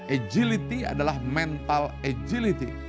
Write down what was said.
agility adalah mental agility